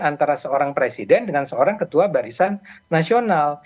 antara seorang presiden dengan seorang ketua barisan nasional